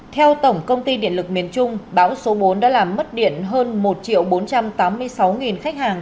theo tổng công ty điện lực miền trung bão số bốn đã làm mất điện hơn một bốn trăm tám mươi sáu khách hàng